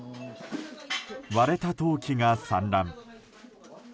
割れた陶器が散乱。